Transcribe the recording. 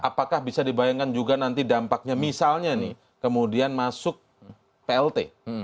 apakah bisa dibayangkan juga nanti dampaknya misalnya nih kemudian masuk plt